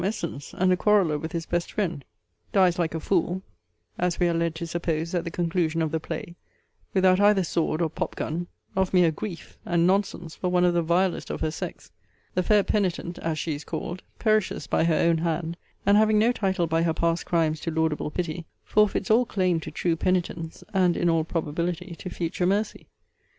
Essence, and a quarreler with his best friend, dies like a fool, (as we are led to suppose at the conclusion of the play,) without either sword or pop gun, of mere grief and nonsense for one of the vilest of her sex: but the Fair Penitent, as she is called, perishes by her own hand; and, having no title by her past crimes to laudable pity, forfeits all claim to true penitence, and, in all probability, to future mercy.